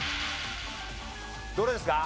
どれですか？